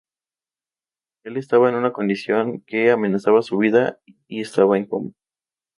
Él estaba en una condición que amenazaba su vida y estaba en coma.